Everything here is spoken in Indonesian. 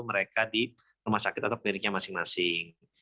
mereka di rumah sakit atau kliniknya masing masing